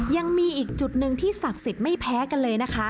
ยังมีอีกจุดหนึ่งที่ศักดิ์สิทธิ์ไม่แพ้กันเลยนะคะ